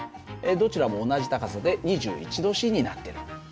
どちらも同じ高さで２１℃になってる。